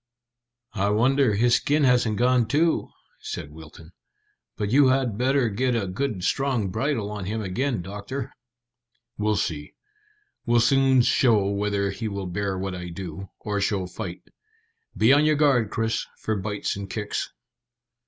"I wonder, his skin hasn't gone too," said Wilton. "But you had better get a good strong bridle on him again, doctor." "We'll see. He'll soon show whether he will bear what I do, or show fight. Be on your guard, Chris, for bites and kicks."